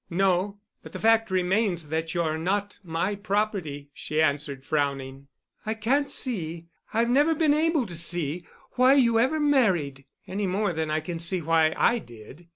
"No. But the fact remains that you're not my property," she answered, frowning. "I can't see—I've never been able to see—why you ever married, any more than I can see why I did.